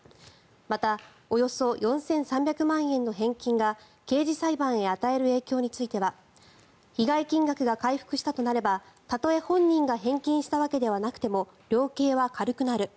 またおよそ４３００万円の返金が刑事裁判へ与える影響については被害金額が回復したとなればたとえ本人が返金したわけではなくても量刑は軽くなる。